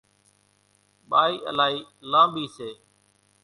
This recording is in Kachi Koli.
ٻائِي الائِي لانٻِي سي۔